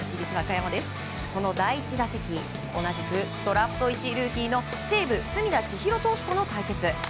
その第１打席同じくドラフト１位ルーキーの西武、隅田知一郎投手との対決。